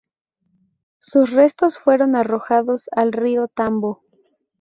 Sus restos fueron arrojados al río Tambo.